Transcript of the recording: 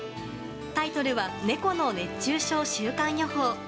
タイトルは「猫の熱中症週間予報」。